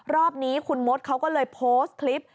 รอบนี้คุณมดเขาก็เลยโพสต์คลิป